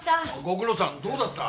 ご苦労さんどうだった？